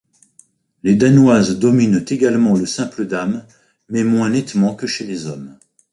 Les Danoises dominent également le simple dames mais moins nettement que chez les hommes.